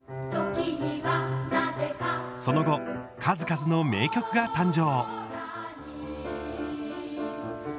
その後、数々の名曲が誕生。